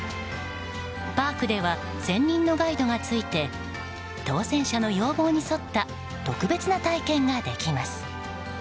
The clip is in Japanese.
パークでは専任のガイドがついて当選者の要望に沿った特別な体験ができます。